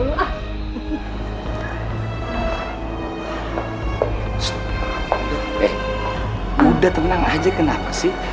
eh udah tenang aja kenapa sih